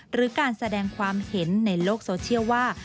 หรือการแสดงความเห็นในโลกโซเชียลว่า